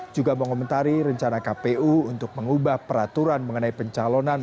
juga mengomentari rencana kpu untuk mengubah peraturan mengenai pencalonan